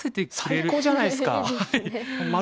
最高じゃないですか。ですね。